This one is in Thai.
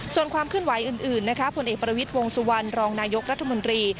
ส่วนความขึ้นไหวอื่นผลเอกประวิทวงศ์สุวรรณรองนายกรัฐมนตรี